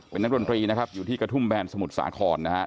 เป็นนักดนตรีนะครับอยู่ที่กระทุ่มแบนสมุทรสาครนะฮะ